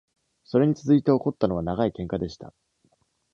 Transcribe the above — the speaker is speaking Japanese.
それに続いて起こったのは長いけんかでした。